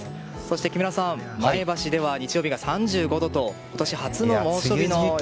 木村さん、前橋では日曜日は３５度と今年初の猛暑日の予想です。